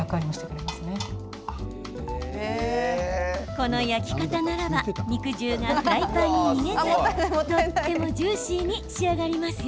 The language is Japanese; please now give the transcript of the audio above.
この焼き方ならば肉汁がフライパンに逃げずとってもジューシーに仕上がりますよ。